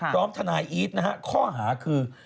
พร้อมทนายอีทข้อหาคือ